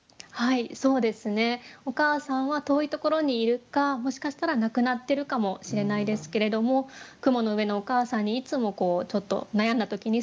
お母さんは遠いところにいるかもしかしたら亡くなってるかもしれないですけれども雲の上のお母さんにいつもちょっと悩んだ時に相談している。